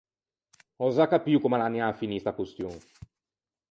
Ò za capio comm’a l’anià à finî sta costion!